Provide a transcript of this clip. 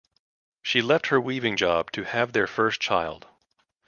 She left her weaving job to have their first child.